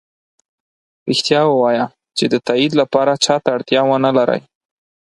ریښتیا ؤوایه چې د تایید لپاره چا ته اړتیا ونه لری